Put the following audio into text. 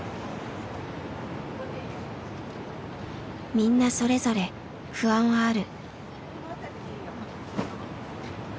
みんなそれぞれ不安はある。